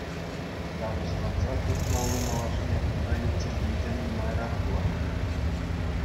Тапаҫланса туртмалли малашне халичченхинчен нумайрах пулать.